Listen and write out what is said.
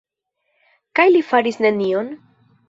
Kaj li faris nenion?